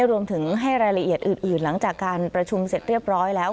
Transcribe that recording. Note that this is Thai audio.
รวมถึงให้รายละเอียดอื่นหลังจากการประชุมเสร็จเรียบร้อยแล้ว